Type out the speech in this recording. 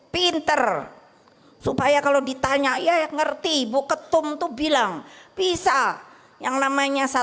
pinter supaya kalau ditanya ya ngerti buket umpilang bisa yang namanya